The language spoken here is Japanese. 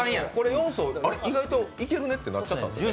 ４層、意外といけるねってなっちゃったんですよね？